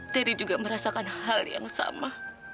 teri juga merasakan hal yang sama